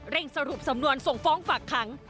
เร่งสรุปสำนวนส่งฟ้องฝากครั้ง